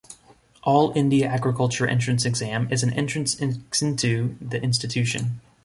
All India Agriculture Entrance Exam is an entrance exinto the institution.